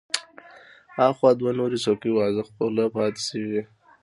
اخوا دوه نورې څوکۍ وازه خوله پاتې شوې وې.